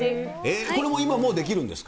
これも今もうできるんですか？